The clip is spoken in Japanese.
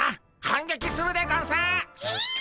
反撃するでゴンスっ！